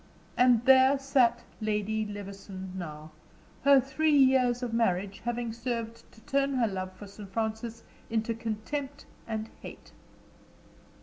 And there sat Lady Levison now, her three years of marriage having served to turn her love for Sir Francis into contempt and hate.